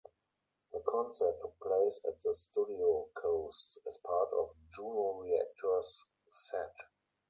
The concert took place at the Studio Coast as part of Juno Reactor's set.